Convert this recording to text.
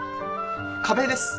壁です。